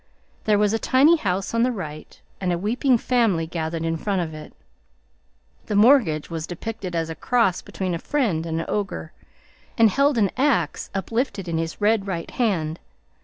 There was a tiny house on the right, and a weeping family gathered in front of it. The mortgage was depicted as a cross between a fiend and an ogre, and held an axe uplifted in his red right hand.